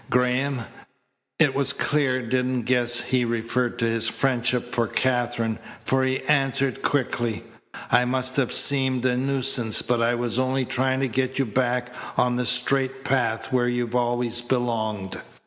Graham, it was clear, didn't guess he referred to his friendship for Katherine, for he answered quickly: "I must have seemed a nuisance, but I was only trying to get you back on the straight path where you've always belonged.